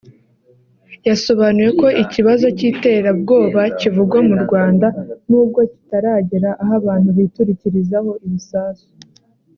yasobanuye ko ikibazo cy’iterabwoba kivugwa mu Rwanda n’ubwo kitaragera aho abantu biturikirizaho ibisasu